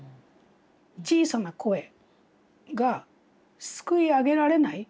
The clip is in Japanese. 小さな声がすくい上げられない